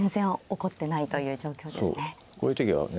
こういう時はね